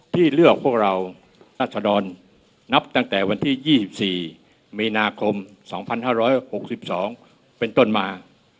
ที่เลือกพวกเรารัศดรนับตั้งแต่วันที่๒๔มีนาคม๒๕๖๒เป็นต้นมา